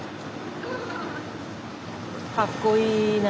かっこいいね